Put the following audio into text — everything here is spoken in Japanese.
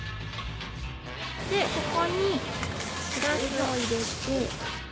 でそこにシラスを入れて。